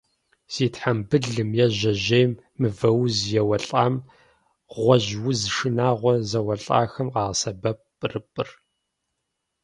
Зи тхьэмбылым е жьэжьейм мывэуз еуэлӏам, гъуэжь уз шынагъуэр зэуэлӏахэм къагъэсэбэп пӏырыпӏыр.